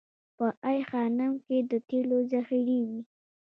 په ای خانم کې د تیلو ذخیرې وې